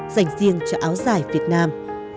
dành riêng cho áo dài việt nam